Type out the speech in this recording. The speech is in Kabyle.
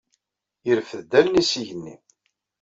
Yerfed allen-is s igenni.